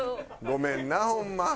ごめんなホンマ。